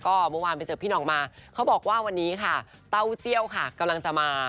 ก็เมื่อวานไปเจอพี่ห่องมาเขาบอกว่าวันนี้ค่ะเต้าเจี้ยวค่ะกำลังจะมา